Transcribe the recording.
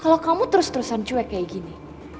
kalau kamu terus terusan cuek kayak gini